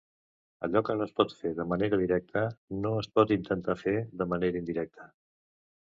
Allò que no es pot fer de manera directa, no es pot intentar fer de manera indirecta.